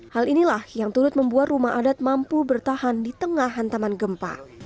hal inilah yang turut membuat rumah adat mampu bertahan di tengah hantaman gempa